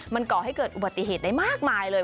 มันก่อให้เกิดอุบัติเหตุได้มากมายเลย